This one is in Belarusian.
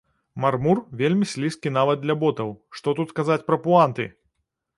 Мармур вельмі слізкі нават для ботаў, што тут казаць пра пуанты!